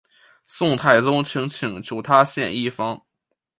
宋太宗曾请求他献医方。